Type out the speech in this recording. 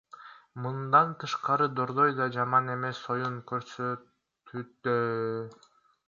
Мындан тышкары, Дордой да жаман эмес оюн көрсөтүүдө.